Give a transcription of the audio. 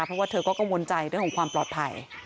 เพราะว่าเธอก็กังวลใจเรื่องของความปลอดภัย